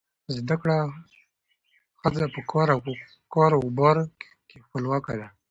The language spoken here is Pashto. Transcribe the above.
زده کړه ښځه په کار او کاروبار کې خپلواکه ده.